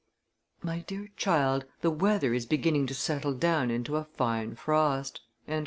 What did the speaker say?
... My dear child, the weather is beginning to settle down into a fine frost."